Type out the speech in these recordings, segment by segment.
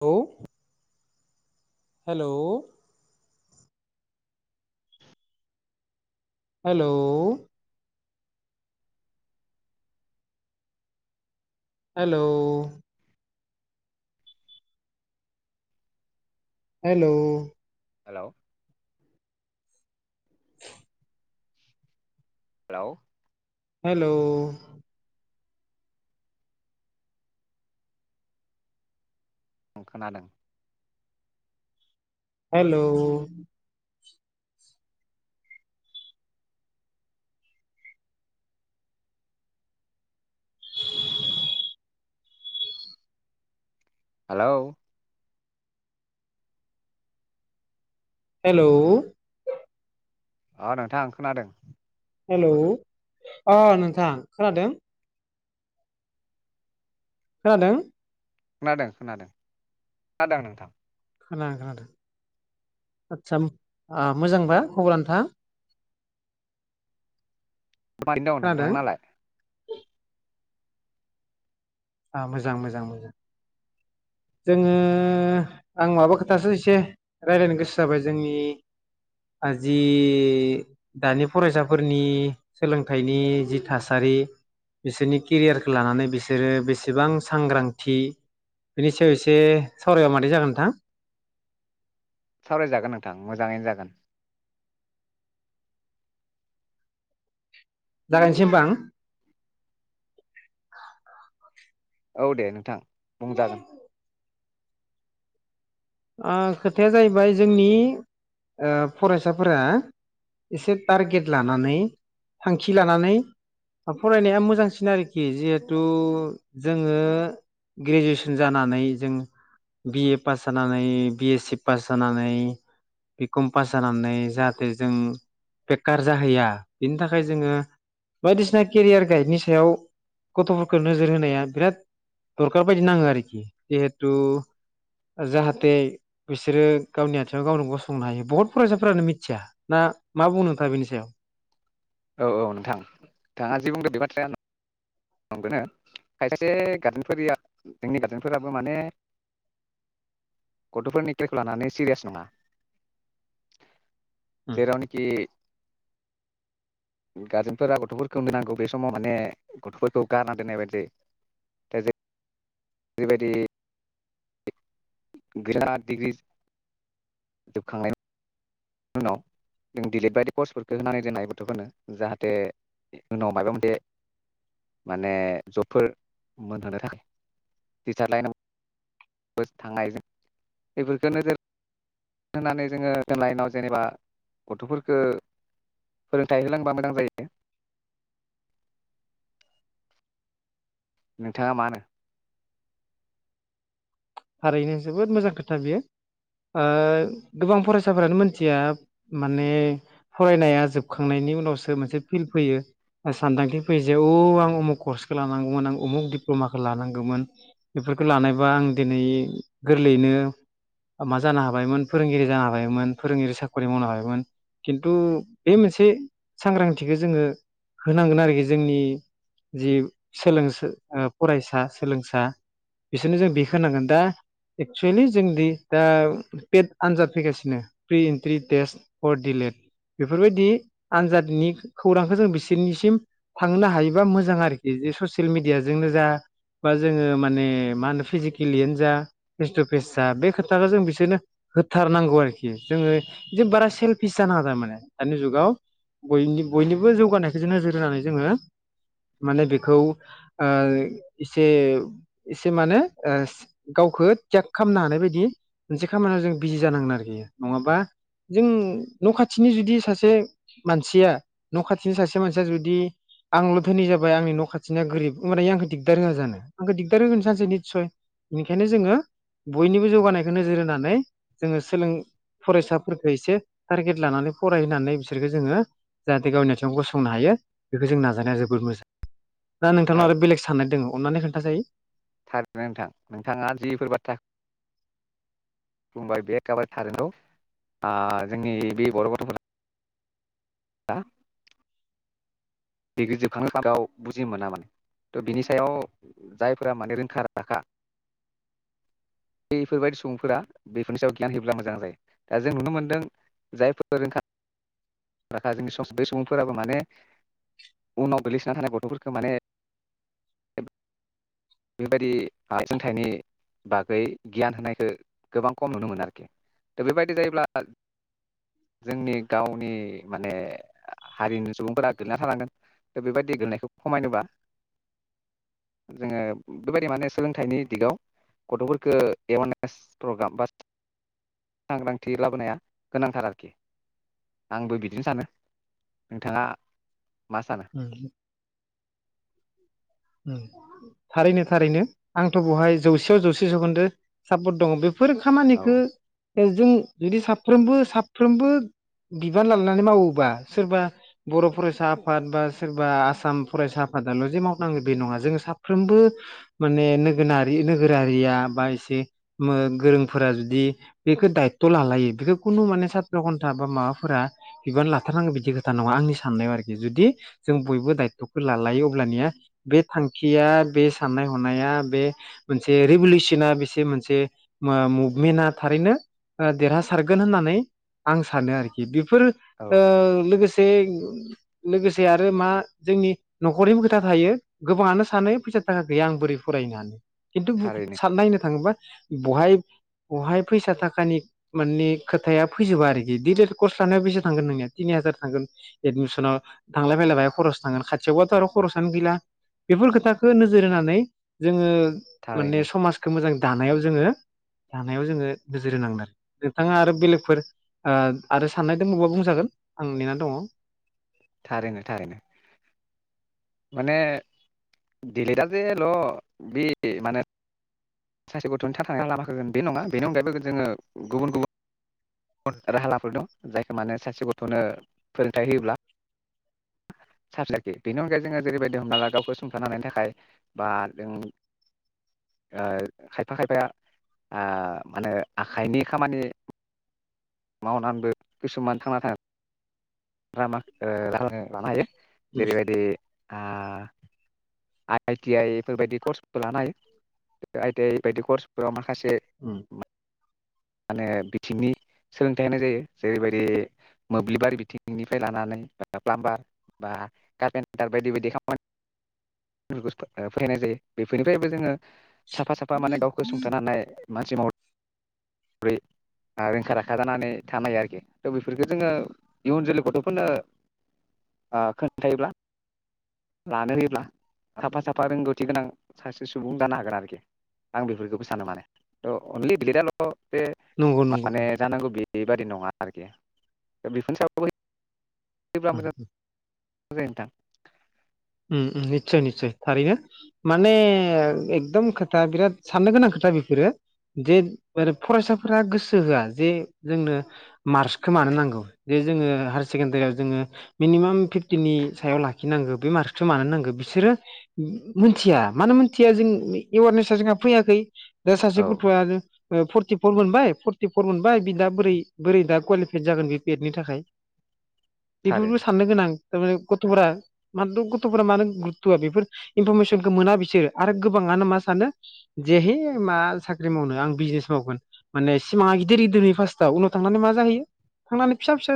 औ hello hello hello hello हेल' [inaudible] hello hello ओं खोनादों। हेल' हेलौ हेल' अ नोंथां खोनादों। हेलौ अ नोंथां खोनादों। खोनादों। खोनादों खोनादों खोनादों नोंथां। खोन खोनादों आदसा आ मोजांबा खबरा नोंथां? मारैनो दङ नोंथां खोनादों नालाय? मोजां मोजां मोजां जोङो आं माबा खोथासो एसे रायलायनो गोसो जाबाय जोंनि जि दानि फरायसाफोरनि सोलोंथाइनि जि थासारि बिसोरनि केरियारखौ लानानै बिसोरो बे बेसेबां सांग्रांथि बेनि सायाव एसे सावरायबा मादै जागोन नोंथां? सावरायजागोन नोंथां मोजाङैनो जागोन। जागायनोसैमबा आं। औ दे नोंथां। बुंजागोन [unintelligible] ओ खोथाया जाहैबाय जोंनि फरायसाफोरा एसे टारगेट लानानै थांखि लानानै फरायनाया मोजांसिन आरोखि जिहेथु जोङो ग्रेजुवेसन जानानै जों बिए पास जानानै बि ए सि पास जानानै बि कम पास जानानै जाहाथे जों बेखार जाहैया बिनि थाखाय जोङो बायदिसिना केरियार गाइडनि सायाव गथ'फोरखौ नोजोर होनाया बिराद दरखार बायदि नाङो आरोखि जिहेथु जाहाथे बिसोरो गावनि आथिङाव गावनो गसंनो हायो बहुत फरायसाफ्रानो मिथिया ना मा बुंनो नोंथाङा बेनि सायाव? औ औ नोंथां नोंथाङा जि बुंदो बे बाथ्राया नंगोनो खायसे गार्जेनफोरनिया जोंनि गार्जेनफोराबो माने गथ'फोरनि केरियरखौ लानानै सिरियास नङा। जेरावनोखि गारजेनफोरा गथ'फोरखौ नायनांगौ बे समाव माने गथ'फोरखौ गानना दोननाय बायदि जायो दा जे बिबायदि बिराद दिग्रि दुबखांनाय उनाव जों डिलिट बायदि कर्सफोरखौ होनानै जोंनाय गथ'फोरनो जाहाथे उनाव माबा मोनसे माने जबफोर मोनहोनो थाखाय टिचार लाइनावबो थांनाय बेफोरखौ नोजोर होनानै जोङो लाइनाव जेनेबा गथ'फोरफोरखौ फोरोंथाइ होलांबा मोजां जायो। नोंथाङा मानो? थारैनो जोबोद मोजां खोथा बियो ओ गोबां फरायसाफोरानो मोनथिया माने फरायनाया जोबखांनायनि उनावसो मोनसे फिल्ड फैयो सानदांथि फैयो जे औ आं उमुख कर्सखौ लानांगौमोन आं उमुख दिप्ल'माखौ लानांगौमोन बेफोरखौ लानायबा आं दिनै गोरलैयैनो मा जानो हाबायमोन फोरोंगिरि जानो हाबायमोन फोरोंगिरि साख्रि मावनो हाबायमोन खिन्थु बे मोनसे सांग्रांथिखौ जोङो होनांगोन आरोखि जोंनि जि सोलों फरायसा सोलोंसा बिसोरनो जों बे होनांगोन दा एक्सुेलि जोंदि दा पेद आनजाद फैगासिनो प्रि इन्ट्रि टेस्ट फर दिलेट बेफोरबायदि आनजादनि खौरांखौ जों बिसोरनिसिम थांनो हायोबा मोजां आरोखि ज ससियेल मिडियाजोंनो जा बा जोङो माने मा होनो फिजिक केलियानो जा फेस टु फेस जा बे खोथाखौ जों बिसोरनो होथारनांगौ आरोखि जोङो जे बारा सेल्फिस जानाङा थारमाने दानि जुगावय बयनिबो जौगानायखौ जों नोजोर होनानै जोङो माने बेखौ एसे एसे माने ओ गावखौ थेग खालामनो हानाय बायदि मोनसे खामानियाव जों बिजि जानांगोन आरोखि नङाबा जों न' खाथिनि जुदि सासे मानसिया न' खाथिनि सासे मानसिया जुदि आंल' धोनि जाबाय आंनि न' खाथिनिया गोरिब होनोमबानि आंखौ दिगदार होआ जानो आंखौ दिगदार होगोनो सानससे निस्सय। बेनिखायनो जोङो बयनिबो जौगानायखौ नोजोर होनानै जोङो सोलों फरायसाफोरखौ एसे टारगेट लानानै फरायहानै बिसोरखौ जोङो जाहाथे गावनि आथिङाव गसंनो हायो बेखौ जों नाजानाया जोबोर मोजां। दा नोंथांनाव आरो बेलेग साननाय दङ अननानै खोनथा जायो। थारनो नोंथां नोंथाङा जिफोर बाथ्रा बुंबाय बे एखाबारे थार नंगौ ओ जोंनि बे बर' गथ'फोरा हा [unintelligible] दिग्रि जोबखांनो मादावव बुजिनो मोना माने थ' बिनि सायाव जायफोरा माने रोंखा राखा बफोरबायदि सुबुंफोरा बेफोरनि सायाव गियान होयोब्ला मोजां जायो दा जों नुनो मोनदों जायफोर रोंखा राखा जोंनि सम बे सुबुंफोराबो माने उनाव गोग्लैसोनानै थानाय गथ'फोरखौ माने बेबायदि आ सोंथाइनि बागै गियान होनायखौ गोबां खम नुनो मोनो आरोखि दा बेबायदि जायोब्ला जोंनि गावनि माने हारिनि सुबुंफोरा गोलैना थानांगोन दा बेबायदि गोैनायखौ खमायनोबा जोङो बेबायदि माने सोलोंथाइनि दिगाव गथ'फोरखौ एवारनेस प्रग्राम बा सांग्रांथि लाबोनाया गोनांथार आरोखि आंबो बिदिनो सानो नोंथाङा मा सानो [unintelligible] थारैनो थारैनो आंथ' बेहाय जौसेयाव जौसे जौखोन्दो सापर्ट दङ बे बेफोर औ खामानिखौ जों जुदि साफ्रोमबो साफ्रोमबो बिबान लानानै मावोबा सोरबा बर' फरायसा आफाद बा सोरबा आसाम फरायसा आफादाल' जे माव नांगो बे नङा जोङो साफ्रोमबो माने नोगोरना-नोगोरारिया बा एसे गोरोंफोरा जुदि बेखौ दायथ' लालायो बेखौ खुनु माने सााथ्र घन्था बा माबाफोरा बिबान लाथारनांगौ बिदि खोथा नङा आंनि साननायाव आरोखि जुदि जों बयबो दायथ'खौ लालायो अब्लानिया बे थांखिया बे साननाय हनाया बे मोनसे रिभलउसना बेसे मोनसे मुभमेन्टआ थारैनो देरहासारगोन होननानै आं सानो आरोखि बे बेफोर ओ औ लोगोसे लोगोसे आरो मा जोंनि न'खरनिबो खोथा थायो गोबाङानो सानो फैसा थाखा गैया आं बोरै फरायनो हानो खिन्थु थारैनो साननायनो थाङोबा बहाय बहाय फैसा थाखानि मानि खोथाया फैजोबा आरोखि डिलेड कर्स लानायाव बेसे थांगोन नोंनिया तिनि हाजार थांगोन एदमिसनाव थांलाय फैलाय बहाय खरस थांगोन खाथियावबाथ' आरो खरसनो गैला बेफोर खोथाखौ नोजोर होनानै जोङो। माने थारैनो समाजखौ मोजां। दानायाव जोङो दानायाव जोङो नोजोर होनांगोन आरो नोंथाङा आरो बेलेगफोर ओ-आरो साननाय दंबावबा बुंजागोन आं नेनानै दङ। थारैनो थारैनो माने दिलेटआ जेेल' बे माने सासे गथ'नि थ थानाय लामा होगोन बे नङा बेनि अनगायैबो जोङो गुबुन गुबुन राहालाफोर दं जायखौ माने सासे गथ'नो फोरोंथाइ होयोब्ला। [unintelligible] बेनि अनगायै जोङो जेरैबायदि हमना ला गावखौ सुंथानो हानायनि थाखाय बा जों ओ खायफा खायफाया मा होने ओ आखाइनि खामानि मावनानैबो खिसुमान थांना थाखाय रामा [unintelligible] लानो हायो उम जेरै बायदि। आ आइ आइटि आइ। बेफोरबायदि कर्सखौ लानाय आइ थि आइ बेायदि कर्स माख- खायसे उम माने बिथिंनि सोलोंथाइ होनाय जायो जेरैबायदि मोब्लिबारि बिथिंनिफ्राय लानानै ब प्लामबार बा कारपेन्टार बायदि बायदि खामानि फोरोंनाय जायो बेफोरनिफ्रायबो जोङो साफा साफा माने गावखौ सुंथानो हानाय मानसि मह रै रोंखा राखा जानानै थानो हायो आरोखि थ' बेफोरखौ जोङो इयुन जोलै गथ'फोरनो ओ खोन्थायोब्ला लानो होयोब्ला साफा साफा रोंगौथि गोनां सासे सुबुं जानो हागोन आरोखि आं बेफोरखौबो सानो माने थ' अनलि बि एद आल ' [inaudible] बे नंगौ नंगौ माने जानांगौ बे बेबादि नङा आरोखि दा बेफोरनि सा [unintelligible] उम। मोजां नोंथां। ओम ओम निस्सय निस्सय थारैनो माने एकदम खोथा बिराद साननो गोनां खोथा बेफोरो जे आरो फरायसाफोरा गोसो होआ जे जोंनो मार्कसखौ मानो नांगौ जे जोङो हायार सेकेण्डारियाव जोङो मिनिमाम फिफ्टिनि सायाव लाखिनांगौ बे मार्कस मानो नांगौ बिसोरो मिथिया मानो मोनथिया जों एवारनेसा जोंहा फैयाखै दा सासे औ गथ'आ आरो फरटिफर मोनबाय फरटिफर मोनबाय बि दा बोरै बोरै दा क्वालिफाइद जागोन बे बि एड नि थाखाय? बेफोरबो थारैनो साननो गोनां थारमाने गथ'फोरा मा दु [unintelligible] गथ'फोरा मानो गुरुबत' होआ बेफोर इनफरमेसनखौ मोना बिसोरो आरो गोबाङानो मा सानो जे है मा साख्रि मावनो आं बिजनेस मावगोन माने सिमाङा गिदिर गिदिर फास्टआव उनाव थांनानै मा जाहैयो थांनानै फिसा फिसा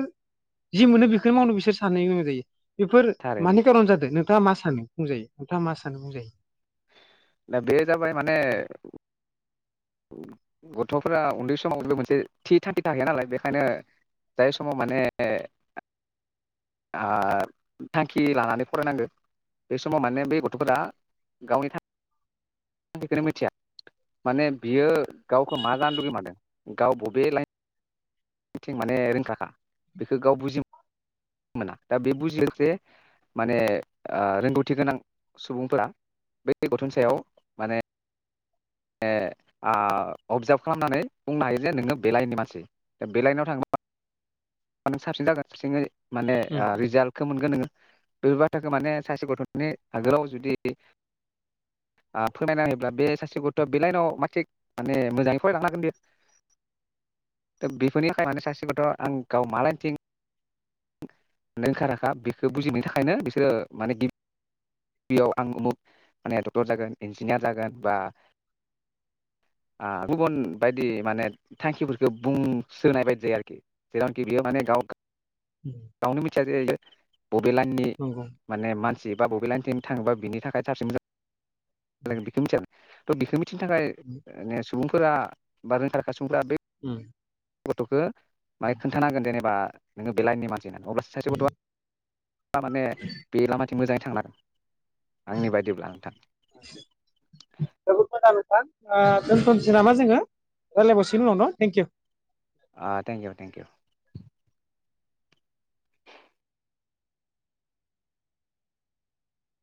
जि मोनो बेखौनो मावनो बिसोर सानो एरै। बेफोर थारैनो मानि कारन जादों नों? नोंथा मा सानो बुंजायो नोंथाङा मा सानो बुंजायो? दा बे जाबाय माने। गथ'फोरा उन्दै समाव मोनसे थि थांखि थाखाया नालाय बेखायनो जाय समाव माने। ओ-थांखि लानानै फरायनांगौ बे समाव माने बे गथ'फोरा गावनि थांख खोनो मिथिया माने बियो गावखौ मा जानो लुगै मारदों गाव बबे लाइ थिं माने रोंखाखा बेखौ गाव बुजि मोना दा बे बुजियो जे माने ओ रोंगौथि गोनां सुबुंफोरा बै गथन सायाव माने माने आ अबजार्भ खालामनानै बुंनो हायो जे नोङो बे लाइननि मानसि दा बेलाइनाव थांङोब्ला नों साबसिन जागोन साबसिनै माने उम आ रिजाल्टखौ मोनगोन नोङो बेफोर बाथ्राखौ माने सासे गथनि आगोलाव जुदि फोरमायना होायोब्ला बे सासे गथ दा बे लाइनाव मा थिग माने मोजाङै फरायलानो हागोन बेयो बेफोरनि थाखाय माने सासेखौथ आं गाव माालायनथिं रोंखा राखा‌ बेखौ बुजिनायनि थाखायनो बिसोरो माने गि गिबियाव आं उमुक माने डक्टर जागोन इन्जिनियार जागोन बा गुबुन बायदि माने थांखिफोरखौ बुंसोनाय बायदि जायो आरोखि जेरावमखि बेयाव माने गावख उम गावनो मिथिया जे इयो बबे लाइननि नंगौ माने मानस बा बबे लाइन नि थिं थाङोबा बिनि थाखाय साबसिन मोजां उम [unintelligible] त बिखो मि थिनो थाखाय उम ने बुंफोरा बा रोंखा राखा सुबुंफोरा बे उ गथखो बाहाय खोन्थानांगोन जेनेबा नोङो बेलाइनि मानस अब्लासो सासे गथ'आ आ‌ माने बे लामा थिं मोजाङै थांना आंनि बायिब्ला नोंथां थां ओ दोनथनोसै नामा जोङो रायज्लायबावसिगोन उनाव न' थेंक इउ आ थेंक इउ थेंक इउ